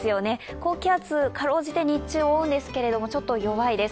高気圧、かろうじて日中覆うんですが、ちょっと弱いです。